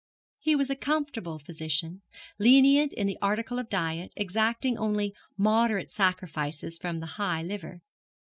He was a comfortable physician, lenient in the article of diet, exacting only moderate sacrifices from the high liver.